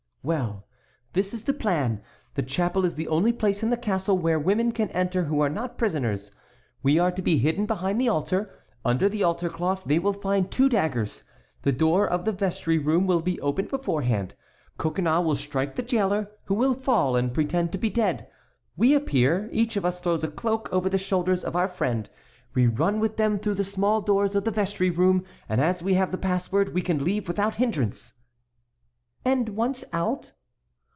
"Well, this is the plan. The chapel is the only place in the castle where women can enter who are not prisoners. We are to be hidden behind the altar. Under the altar cloth they will find two daggers. The door of the vestry room will be opened beforehand. Coconnas will strike the jailer, who will fall and pretend to be dead; we appear; each of us throws a cloak over the shoulders of her friend; we run with them through the small doors of the vestry room, and as we have the password we can leave without hindrance." "And once out?"